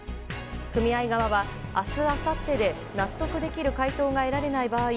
組合側は、明日あさってで納得できる回答が得られない場合